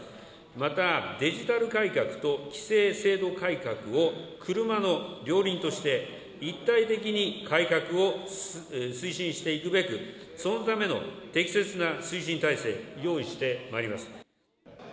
また、デジタル改革と規制制度改革を車の両輪として、一体的に改革を推進していくべく、そのための適切な推進体制、用意してまいります。